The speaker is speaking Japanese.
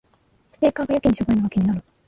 スピーカーがやけにしょぼいのが気になる